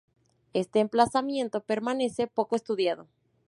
Este emplazamiento permanece poco estudiado.